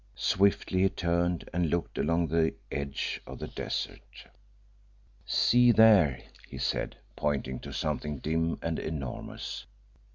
Swiftly he turned and looked along the edge of the desert. "See there!" he said, pointing to something dim and enormous.